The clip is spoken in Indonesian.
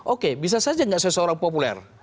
oke bisa saja nggak seseorang populer